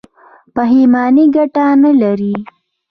پښیماني ګټه نلري.